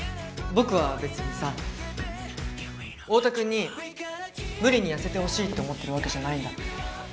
僕は別にさオオタ君に無理に痩せてほしいと思ってるわけじゃないんだ。